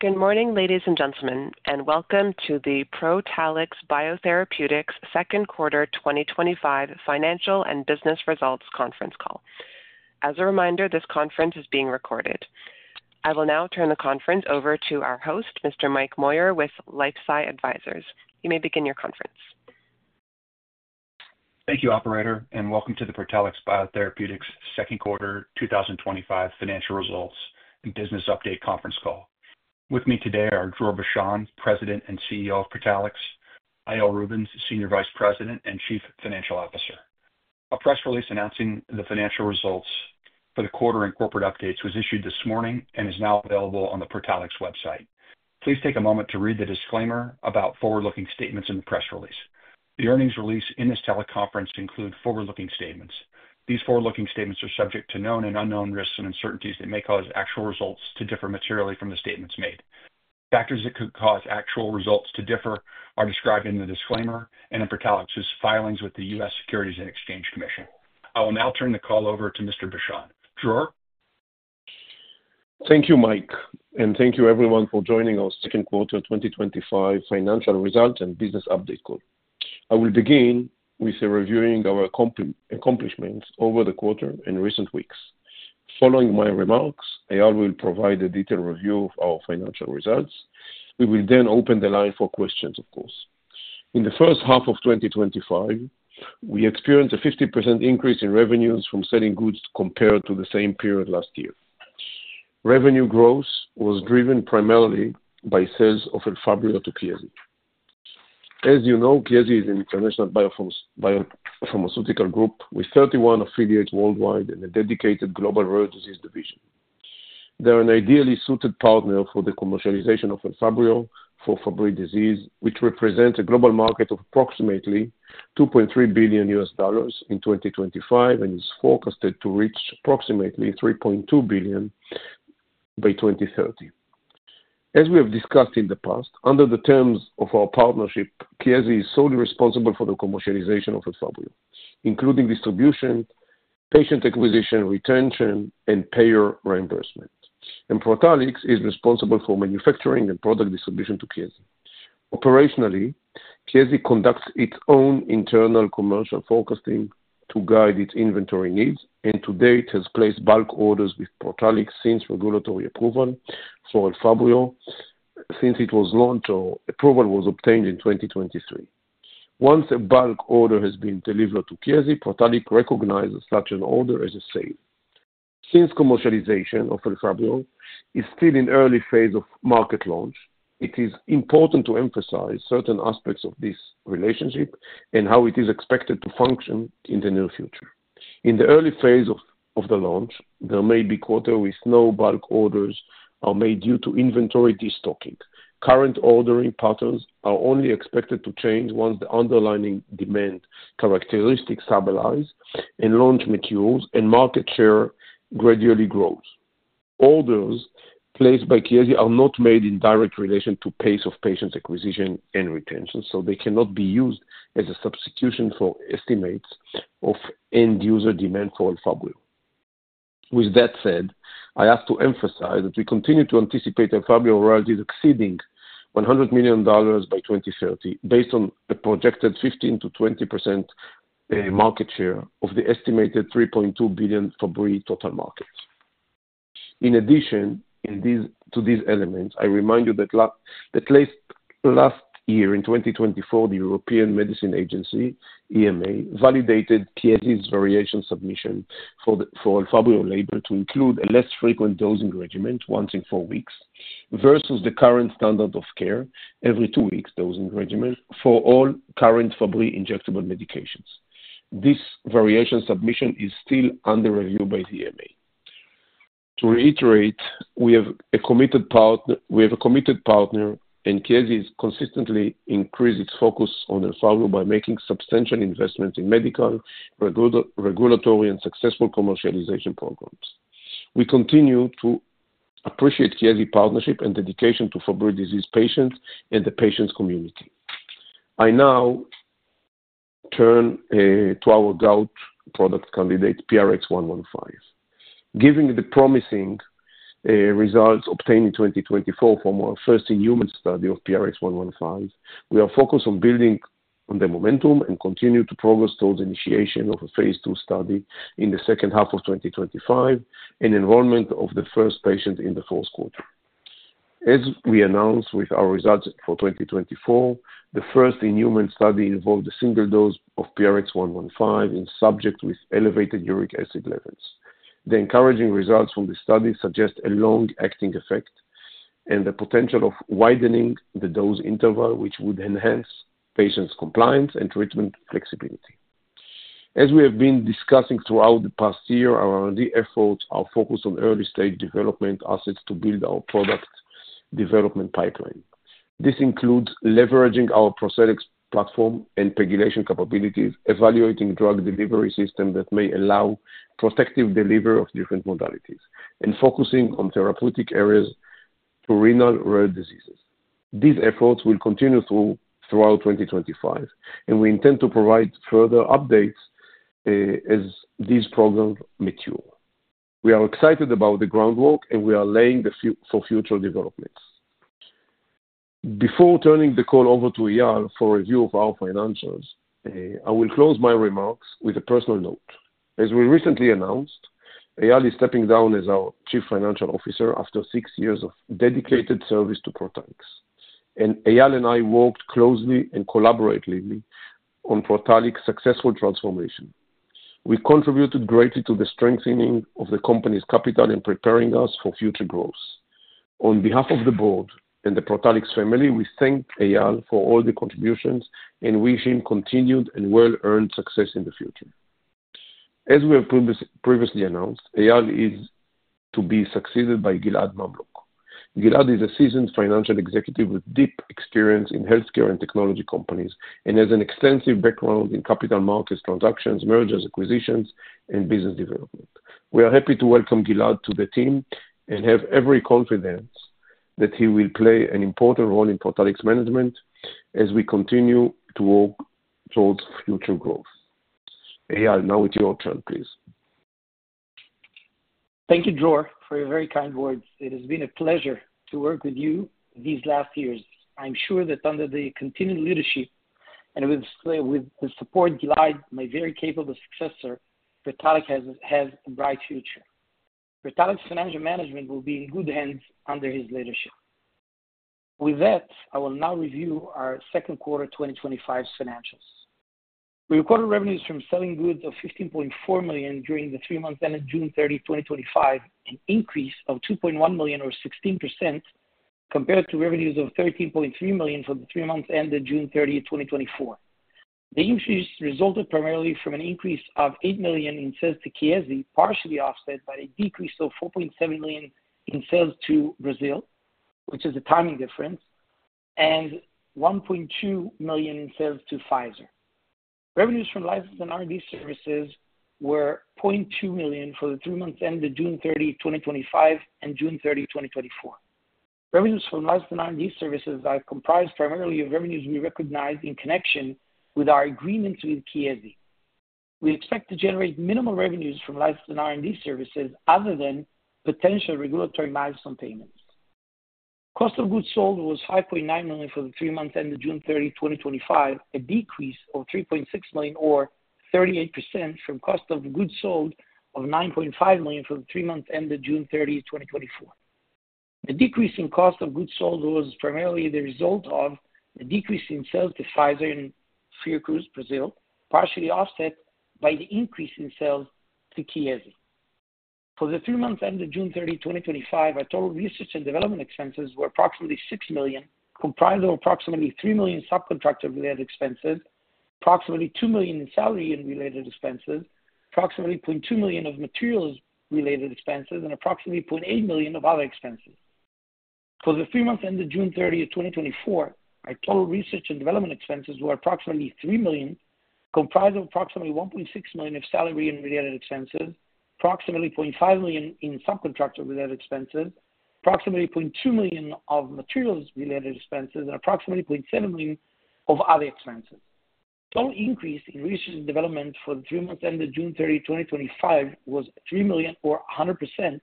Good morning, ladies and gentlemen, and welcome to the Protalix Biotherapeutics Second Quarter 2025 Financial and Business Results Conference Call. As a reminder, this conference is being recorded. I will now turn the conference over to our host, Mr. Mike Moyer with LifeSci Advisors. You may begin your conference. Thank you, operator, and welcome to the Protalix Biotherapeutics Second Quarter 2025 Financial Results and Business Update Conference Call. With me today are Dror Bashan, President and CEO of Protalix, and Eyal Rubin, Senior Vice President and Chief Financial Officer. A press release announcing the financial results for the quarter and corporate updates was issued this morning and is now available on Protalix website. Please take a moment to read the disclaimer about forward-looking statements in the press release. The earnings release and this teleconference include forward-looking statements. These forward-looking statements are subject to known and unknown risks and uncertainties that may cause actual results to differ materially from the statements made. Factors that could cause actual results to differ are described in the disclaimer and in Protalix's filings with the U.S. Securities and Exchange Commission. I will now turn the call over to Mr. Bashan. Dror? Thank you, Mike, and thank you everyone for joining our second quarter 2025 financial results and business update call. I will begin with reviewing our accomplishments over the quarter and recent weeks. Following my remarks, Eyal will provide a detailed review of our financial results. We will then open the line for questions, of course. In the first half of 2025, we experienced a 50% increase in revenues from selling goods compared to the same period last year. Revenue growth was driven primarily by sales of Elfabrio to Chiesi. As you know, Chiesi is an international biopharmaceutical group with 31 affiliates worldwide and a dedicated global rare disease division. They are an ideally suited partner for the commercialization of Elfabrio for Fabry disease, which represents a global market of approximately $2.3 billion in 2025 and is forecasted to reach approximately $3.2 billion by 2030. As we have discussed in the past, under the terms of our partnership, Chiesi is solely responsible for the commercialization of Elfabrio, including distribution, patient acquisition, retention, and payer reimbursement. Protalix is responsible for manufacturing and product distribution to Chiesi. Operationally, Chiesi conducts its own internal commercial forecasting to guide its inventory needs and to date has placed bulk orders with Protalix since regulatory approval for Elfabrio, since it was launched or approval was obtained in 2023. Once a bulk order has been delivered to Chiesi, Protalix recognizes such an order as a sale. Since commercialization of Elfabrio is still in the early phase of market launch, it is important to emphasize certain aspects of this relationship and how it is expected to function in the near future. In the early phase of the launch, there may be quarters with no bulk orders made due to inventory destocking. Current ordering patterns are only expected to change once the underlying demand characteristics stabilize and launch materials and market share gradually grows. Orders placed by Chiesi are not made in direct relation to the pace of patient acquisition and retention, so they cannot be used as a substitution for estimates of end-user demand for Elfabrio. With that said, I have to emphasize that we continue to anticipate Elfabrio royalties exceeding $100 million by 2030, based on the projected 15%-20% market share of the estimated $3.2 billion Fabry total market. In addition to these elements, I remind you that last year in 2024, the European Medicines Agency, EMA, validated Chiesi's variation submission for the Elfabrio label to include a less frequent dosing regimen once in four weeks versus the current standard of care, every two weeks dosing regimen for all current Fabry injectable medications. This variation submission is still under review by the EMA. To reiterate, we have a committed partner, and Chiesi has consistently increased its focus on Elfabrio by making substantial investments in medical, regulatory, and successful commercialization programs. We continue to appreciate Chiesi's partnership and dedication to Fabry disease patients and the patient community. I now turn to our gout product candidate, PRX-115. Given the promising results obtained in 2024 from our first in-human study of PRX-115, we are focused on building on the momentum and continue to progress towards the initiation of a phase II study in the second half of 2025 and enrollment of the first patient in the fourth quarter. As we announced with our results for 2024, the first in-human study involved a single dose of PRX-115 in subjects with elevated uric acid levels. The encouraging results from the study suggest a long-acting effect and the potential of widening the dose interval, which would enhance patient compliance and treatment flexibility. As we have been discussing throughout the past year, our R&D efforts are focused on early-stage development assets to build our product development pipeline. This includes leveraging our ProCellEx Platform and pegylation capabilities, evaluating drug delivery systems that may allow protective delivery of different modalities, and focusing on therapeutic areas for renal rare diseases. These efforts will continue throughout 2025, and we intend to provide further updates as these programs mature. We are excited about the groundwork, and we are laying the field for future developments. Before turning the call over to Eyal for a review of our financials, I will close my remarks with a personal note. As we recently announced, Eyal is stepping down as our Chief Financial Officer after six years of dedicated service to Protalix. Eyal and I worked closely and collaboratively on Protalix's successful transformation. We contributed greatly to the strengthening of the company's capital and preparing us for future growth. On behalf of the board and the Protalix family, we thank Eyal for all the contributions and wish him continued and well-earned success in the future. As we have previously announced, Eyal is to be succeeded by Gilad Mamlok. Gilad is a seasoned financial executive with deep experience in healthcare and technology companies and has an extensive background in capital markets transactions, mergers, acquisitions, and business development. We are happy to welcome Gilad to the team and have every confidence that he will play an important role in Protalix's management as we continue to work towards future growth. Eyal, now it's your turn, please. Thank you, Dror, for your very kind words. It has been a pleasure to work with you these last years. I'm sure that under the continued leadership and with the support of Gilad, my very capable successor, Protalix has a bright future. Protalix's financial management will be in good hands under his leadership. With that, I will now review our second quarter 2025 financials. We recorded revenues from selling goods of $15.4 million during the three-month end of June 30, 2025, an increase of $2.1 million or 16% compared to revenues of $13.3 million for the three-month end of June 30, 2024. The increase resulted primarily from an increase of $8 million in sales to Chiesi, partially offset by a decrease of $4.7 million in sales to Brazil, which is a timing difference, and $1.2 million in sales to Pfizer. Revenues from licensed and R&D services were $0.2 million for the three-month end of June 30, 2025 and June 30, 2024. Revenues from licensed and R&D services are comprised primarily of revenues we recognize in connection with our agreements with Chiesi. We expect to generate minimal revenues from licensed and R&D services other than potential regulatory milestone payments. Cost of goods sold was $5.9 million for the three-month end of June 30, 2025, a decrease of $3.6 million or 38% from cost of goods sold of $9.5 million for the three-month end of June 30, 2024. The decrease in cost of goods sold was primarily the result of the decrease in sales to Pfizer in Fiocruz, Brazil, partially offset by the increase in sales to Chiesi. For the three-month end of June 30, 2025, our total research and development expenses were approximately $6 million, comprised of approximately $3 million subcontractor-related expenses, approximately $2 million in salary and related expenses, approximately $0.2 million of materials-related expenses, and approximately $0.8 million of other expenses. For the three-month end of June 30, 2024, our total research and development expenses were approximately $3 million, comprised of approximately $1.6 million of salary and related expenses, approximately $0.5 million in subcontractor-related expenses, approximately $0.2 million of materials-related expenses, and approximately $0.7 million of other expenses. The total increase in research and development for the three-month end of June 30, 2025 was $3 million or 100%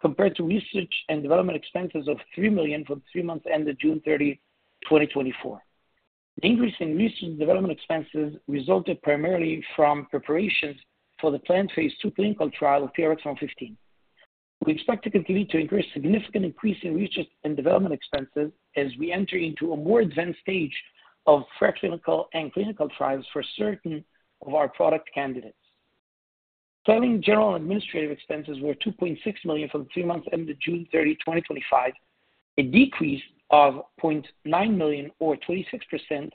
compared to research and development expenses of $3 million for the three-month end of June 30, 2024. The increase in research and development expenses resulted primarily from preparations for the planned phase II clinical trial of PRX-115. We expect to continue to increase a significant increase in research and development expenses as we enter into a more advanced stage of preclinical and clinical trials for certain of our product candidates. Selling, general and administrative expenses were $2.6 million for the three-month end of June 30, 2025, a decrease of $0.9 million or 26%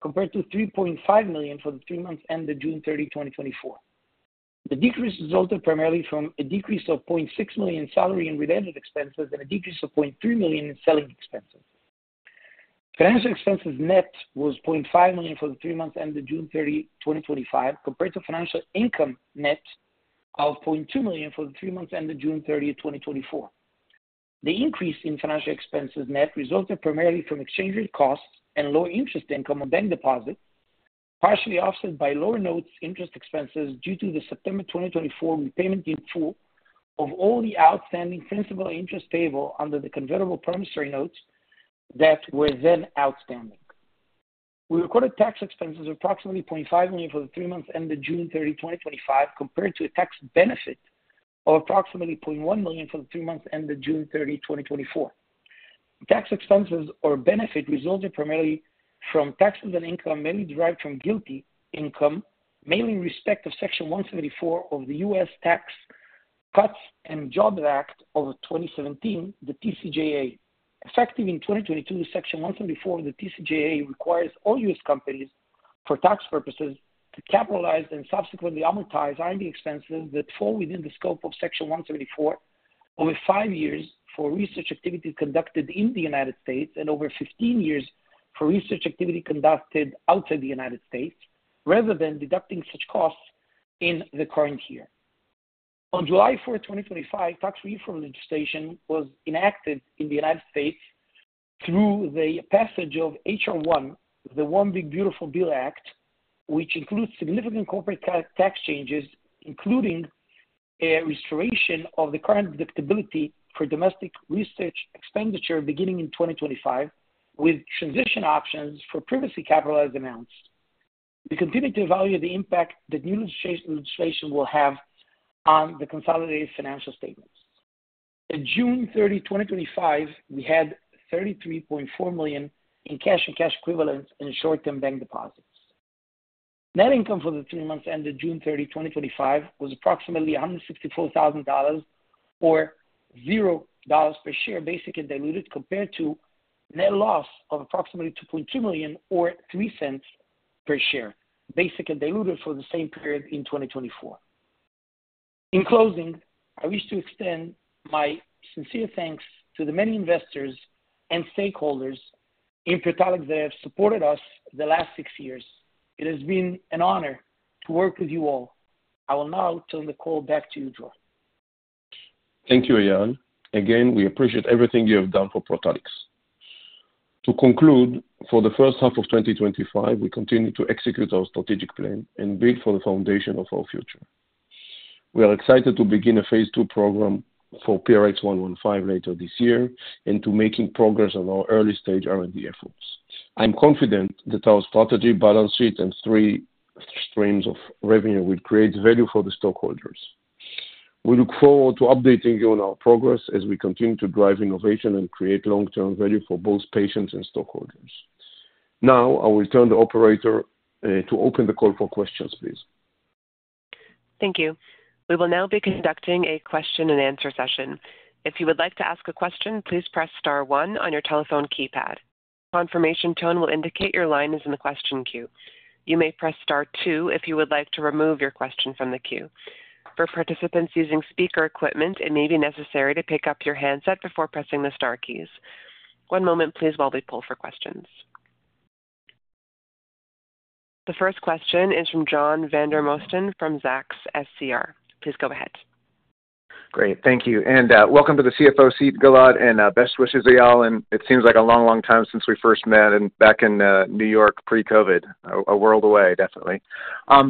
compared to $3.5 million for the three-month end of June 30, 2024. The decrease resulted primarily from a decrease of $0.6 million in salary and related expenses and a decrease of $0.3 million in selling expenses. Financial expenses net was $0.5 million for the three-month end of June 30, 2025, compared to financial income net of $0.2 million for the three-month end of June 30, 2024. The increase in financial expenses net resulted primarily from exchange rate costs and low interest income on bank deposits, partially offset by lower notes interest expenses due to the September 2024 repayment in full of all the outstanding principal and interest payable under the convertible promissory notes that were then outstanding. We recorded tax expenses of approximately $0.5 million for the three-month end of June 30, 2025, compared to a tax benefit of approximately $0.1 million for the three-month end of June 30, 2024. Tax expenses or benefit resulted primarily from taxes and income merely derived from GILTI income, mainly in respect of Section 174 of the U.S. Tax Cuts and Jobs Act of 2017, the TCJA. Effective in 2022, Section 174 of the TCJA requires all U.S. companies, for tax purposes, to capitalize and subsequently amortize R&D expenses that fall within the scope of Section 174 over five years for research activities conducted in the United States and over 15 years for research activities conducted outside the United States, rather than deducting such costs in the current year. On July 4, 2025, tax reform legislation was enacted in the United States through the passage of H.R. 1, the One Big Beautiful Bill Act, which includes significant corporate tax changes, including a restoration of the current deductibility for domestic research expenditure beginning in 2025, with transition options for previously capitalized amounts. We continue to evaluate the impact that new legislation will have on the consolidated financial statements. As of June 30, 2025, we had $33.4 million in cash and cash equivalents and short-term deposits. Net income for the three months ended June 30, 2025, was approximately $164,000 or $0 per share, basic and diluted, compared to a net loss of approximately $2.2 million or $0.03 per share, basic and diluted, for the same period in 2024. In closing, I wish to extend my sincere thanks to the many investors and stakeholders Protalix that have supported us the last six years. It has been an honor to work with you all. I will now turn the call back to you, Dror. Thank you, Eyal. Again, we appreciate everything you have done for Protalix. To conclude, for the first half of 2025, we continue to execute our strategic plan and build for the foundation of our future. We are excited to begin a phase II program for PRX-115 later this year and to make progress on our early-stage R&D efforts. I'm confident that our strategy, balance sheet, and three streams of revenue will create value for the stockholders. We look forward to updating you on our progress as we continue to drive innovation and create long-term value for both patients and stockholders. Now, I will turn the operator to open the call for questions, please. Thank you. We will now be conducting a question and answer session. If you would like to ask a question, please press star one on your telephone keypad. A confirmation tone will indicate your line is in the question queue. You may press star two if you would like to remove your question from the queue. For participants using speaker equipment, it may be necessary to pick up your handset before pressing the star keys. One moment, please, while we poll for questions. The first question is from John Vandermosten from Zacks SCR. Please go ahead. Great, thank you. Welcome to the CFO seat, Gilad, and best wishes, Eyal. It seems like a long, long time since we first met, back in New York, pre-COVID, a world away, definitely. I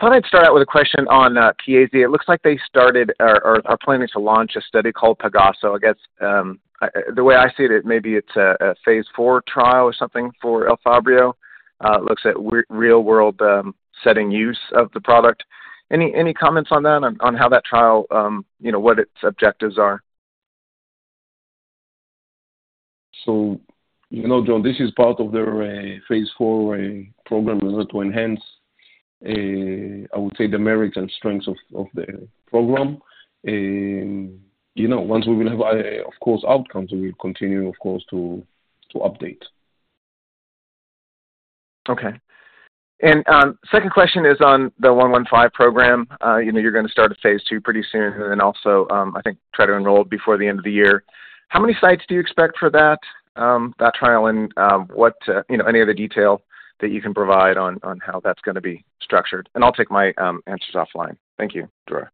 thought I'd start out with a question on Chiesi. It looks like they started or are planning to launch a study called PEGASO. I guess the way I see it, maybe it's a phase IV trial or something for Elfabrio. It looks at real-world setting use of the product. Any comments on that, on how that trial, you know, what its objectives are? You know, John, this is part of their phase IV program to enhance, I would say, the merits and strengths of the program. Once we will have, of course, outcomes, we will continue, of course, to update. Okay. Second question is on the 115 program. You're going to start a phase II pretty soon and then also, I think, try to enroll before the end of the year. How many sites do you expect for that trial and what, you know, any other detail that you can provide on how that's going to be structured? I'll take my answers offline. Thank you, Dror.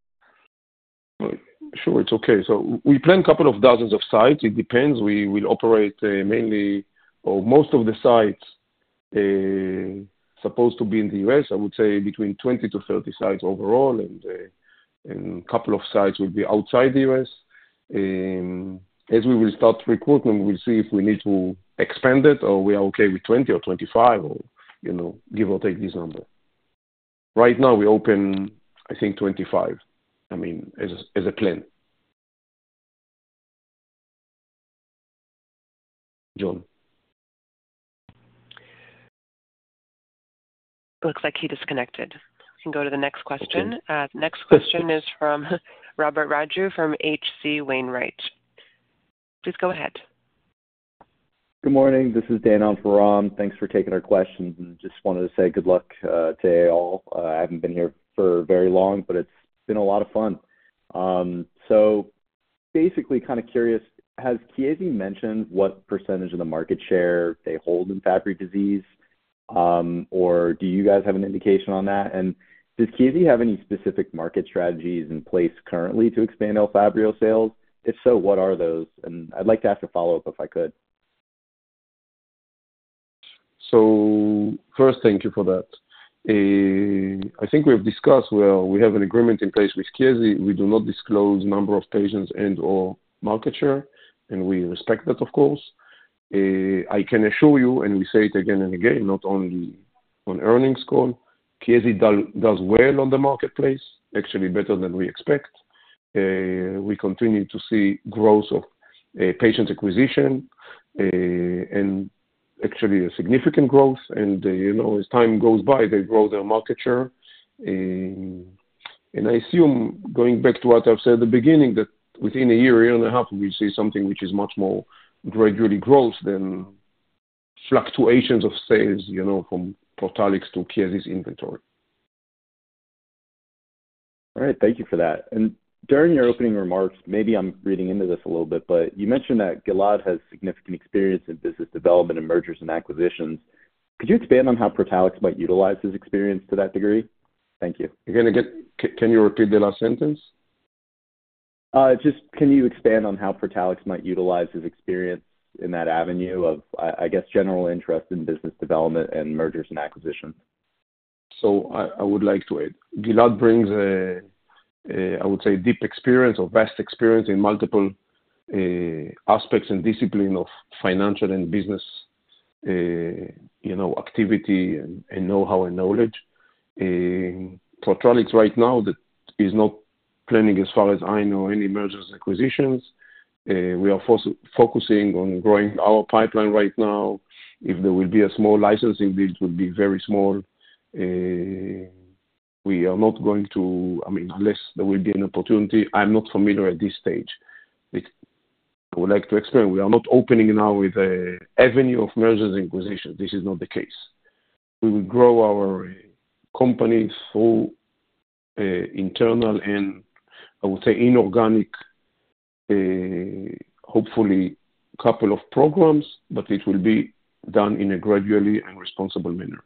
Sure, it's okay. We plan a couple of dozens of sites. It depends. We will operate mainly, or most of the sites are supposed to be in the U.S. I would say between 20-30 sites overall, and a couple of sites will be outside the U.S. As we will start recruitment, we will see if we need to expand it or we are okay with 20 or 25 or, you know, give or take this number. Right now, we open, I think, 25, I mean, as a plan. John? Looks like he disconnected. We can go to the next question. The next question is from [Raghu Raju] from H.C. Wainwright. Please go ahead. Good morning. This is Dan on for [Ram]. Thanks for taking our questions. I just wanted to say good luck to you all. I haven't been here for very long, but it's been a lot of fun. Basically, kind of curious, has Chiesi mentioned what percentage of the market share they hold in Fabry disease? Do you guys have an indication on that? Does Chiesi have any specific market strategies in place currently to expand Elfabrio sales? If so, what are those? I'd like to ask a follow-up if I could. Thank you for that. I think we have discussed, we have an agreement in place with Chiesi. We do not disclose the number of patients and/or market share, and we respect that, of course. I can assure you, and we say it again and again, not only on earnings call, Chiesi does well on the marketplace, actually better than we expect. We continue to see growth of patient acquisition and actually a significant growth. As time goes by, they grow their market share. I assume, going back to what I've said at the beginning, that within a year, a year and a half, we'll see something which is much more gradually growth than fluctuations of sales from Protalix to Chiesi's inventory. All right, thank you for that. During your opening remarks, maybe I'm reading into this a little bit, but you mentioned that Gilad has significant experience in business development and mergers and acquisitions. Could you expand on Protalix might utilize his experience to that degree? Thank you. Can you repeat the last sentence? Can you expand on Protalix might utilize his experience in that avenue of, I guess, general interest in business development and mergers and acquisition? I would like to add, Gilad brings, I would say, deep experience or vast experience in multiple aspects and disciplines of financial and business, you know, activity and know-how. Protalix right now is not planning, as far as I know, any mergers and acquisitions. We are focusing on growing our pipeline right now. If there will be a small licensing deal, it will be very small. We are not going to, I mean, unless there will be an opportunity, I'm not familiar at this stage. I would like to explain, we are not opening now with an avenue of mergers and acquisitions. This is not the case. We will grow our company through internal and, I would say, inorganic, hopefully, a couple of programs, but it will be done in a gradually and responsible manner.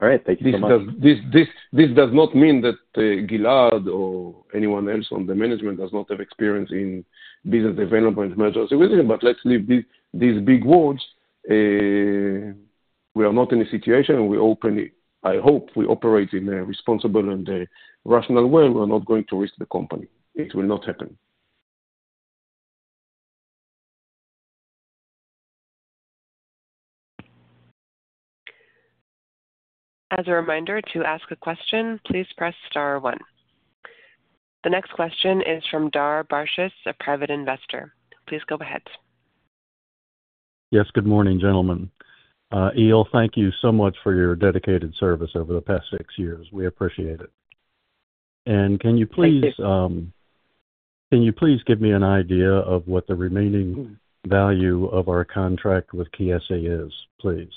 All right, thank you so much. This does not mean that Gilad or anyone else on the management does not have experience in business development, mergers and acquisitions, but let's leave these big words. We are not in a situation where we open, I hope we operate in a responsible and rational way. We are not going to risk the company. It will not happen. As a reminder, to ask a question, please press star one. The next question is from [Dar Bartruse], a private investor. Please go ahead. Yes, good morning, gentlemen. Eyal, thank you so much for your dedicated service over the past six years. We appreciate it. Can you please give me an idea of what the remaining value of our contract with Chiesi is, please?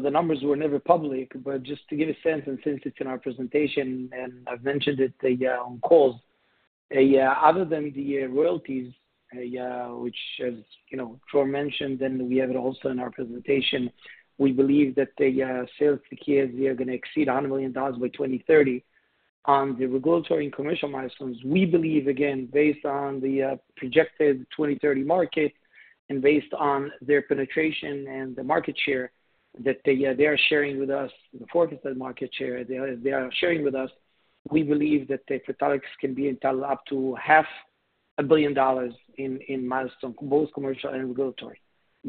The numbers were never public, but just to give a sense and since it's in our presentation and I've mentioned it on call, other than the royalties, which Dror mentioned, and we have it also in our presentation, we believe that the sales to Chiesi are going to exceed $100 million by 2030. On the regulatory and commercial milestones, we believe, again, based on the projected 2030 market and based on their penetration and the market share that they are sharing with us, the forfeited market share that they are sharing with us, we believe that Protalix can be entitled up to half a billion dollars in milestones, both commercial and regulatory.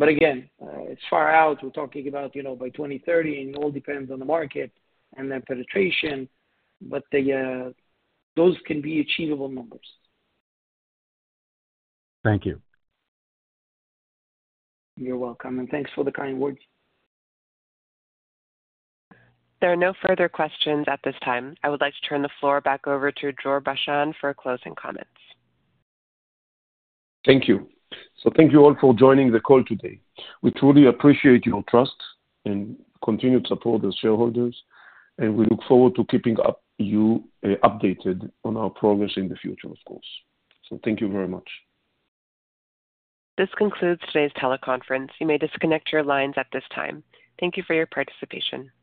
Again, it's far out. We're talking about, you know, by 2030, and it all depends on the market and their penetration. Those can be achievable numbers. Thank you. You're welcome, and thanks for the kind words. There are no further questions at this time. I would like to turn the floor back over to Dror Bashan for closing comments. Thank you. Thank you all for joining the call today. We truly appreciate your trust and continued support as shareholders, and we look forward to keeping you updated on our progress in the future. Thank you very much. This concludes today's teleconference. You may disconnect your lines at this time. Thank you for your participation.